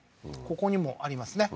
ここにもありますね